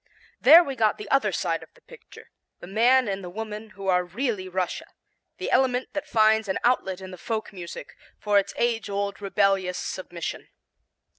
There we got the other side of the picture; the man and the woman who are really Russia, the element that finds an outlet in the folk music, for its age old rebellious submission.